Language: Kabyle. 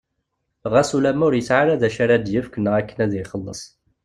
Ɣas ulamma ur yesɛwi ara d acu ara d-yefk neɣ akken ad iyi-ixelles.